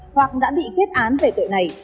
hoặc đã bị kết án về tội này